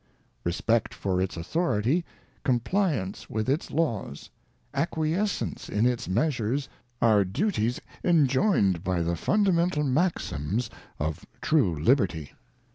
ŌĆö Respect for its authority, compliance with its Laws, acquiescence in its measures, are duties enjoined by the funda mental maxims of true Liberty.